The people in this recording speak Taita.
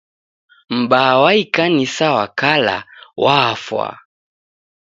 M'baa wa ikanisa wa kala wafwa.